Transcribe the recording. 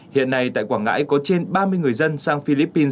hiện nay tại quảng ngãi có trên ba mươi người dân sang philippines